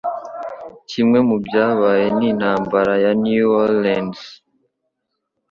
Kimwe mubyabaye ni Intambara ya New Orleans.